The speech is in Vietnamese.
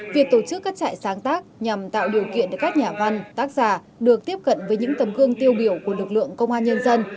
việc tổ chức các trại sáng tác nhằm tạo điều kiện để các nhà văn tác giả được tiếp cận với những tấm gương tiêu biểu của lực lượng công an nhân dân